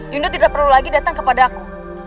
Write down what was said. yundu tidak perlu lagi datang kepada aku